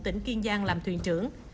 ngụ tỉnh kiên giang làm thuyền trưởng